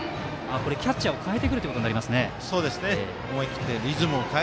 キャッチャーをかえてくるということになりますね。